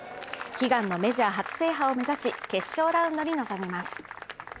悲願のメジャー初制覇を目指し、決勝ラウンドに臨みます。